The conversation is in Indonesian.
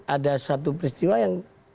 ada satu peristiwa yang